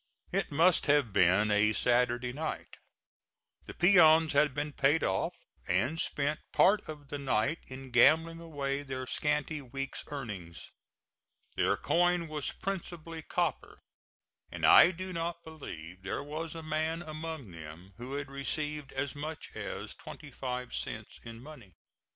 It must have been a Saturday night; the peons had been paid off, and spent part of the night in gambling away their scanty week's earnings. Their coin was principally copper, and I do not believe there was a man among them who had received as much as twenty five cents in money.